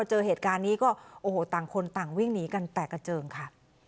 เจอเหตุการณ์นี้ก็โอ้โหต่างคนต่างวิ่งหนีกันแตกกระเจิงค่ะ